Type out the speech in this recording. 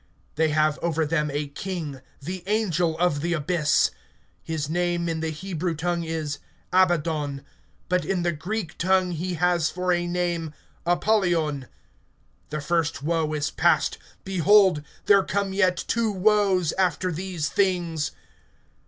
(11)They have over them a king, the angel of the abyss. His name in the Hebrew tongue is Abaddon; but in the Greek tongue he has for a name, Apollyon. (12)The first woe is past; behold, there come yet two woes, after these things.